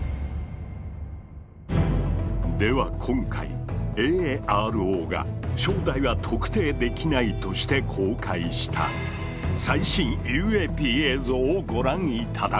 では今回ＡＡＲＯが「正体は特定できない」として公開した最新ＵＡＰ映像をご覧頂こう。